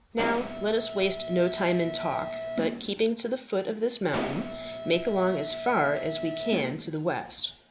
Now, let us waste no time in talk, but, keeping to the foot of this mountain, make along as far as we can to the west.